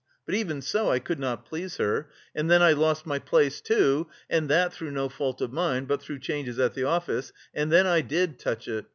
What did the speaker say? But even so, I could not please her; and then I lost my place too, and that through no fault of mine but through changes in the office; and then I did touch it!...